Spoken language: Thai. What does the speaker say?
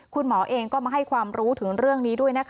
คุณหมอเองก็มาให้ความรู้ถึงเรื่องนี้ด้วยนะคะ